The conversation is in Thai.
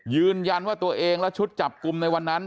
ยืนยันว่าตัวเองและชุดจับกลุ่มในวันนั้น